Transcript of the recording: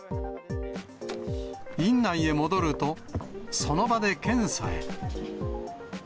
院内へ戻ると、その場で検査へ。